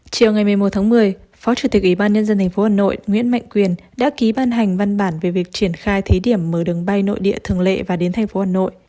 chiều ngày một mươi một tháng một mươi phó chủ tịch ủy ban nhân dân tp hà nội nguyễn mạnh quyền đã ký ban hành văn bản về việc triển khai thí điểm mở đường bay nội địa thường lệ và đến thành phố hà nội